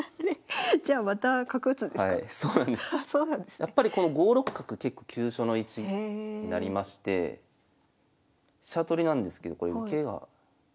やっぱりこの５六角結構急所の位置になりまして飛車取りなんですけどこれ受けが。